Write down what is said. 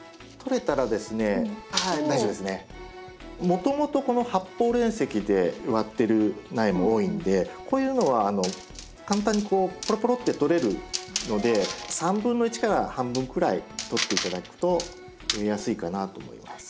もともとこの発泡煉石で植わってる苗も多いのでこういうのは簡単にポロポロって取れるので1/3から半分くらい取って頂くと植えやすいかなと思います。